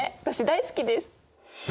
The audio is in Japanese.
私大好きです！